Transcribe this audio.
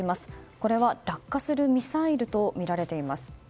これは落下するミサイルとみられています。